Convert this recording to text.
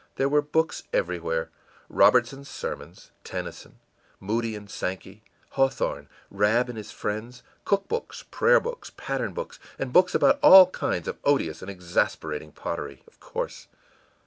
There were books everywhere: Robertson's Sermons, Tennyson, Moody and Sankey, Hawthorne, Rab and His Friends, cook books, prayer books, pattern books and books about all kinds of odious and exasperating pottery, of course.